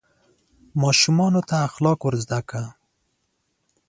ماشومانو ته اخلاق ور زده کړه.